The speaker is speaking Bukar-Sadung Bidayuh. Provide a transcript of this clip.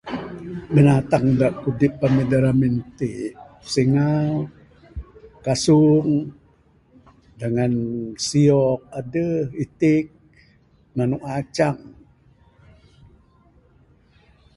Binatang da kudip Ami da ramin ti singau kasung dangan siok adeh itik manuk acang